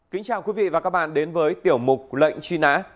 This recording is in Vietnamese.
kính chào quý vị và các bạn đến với tiểu mục lệnh truy nã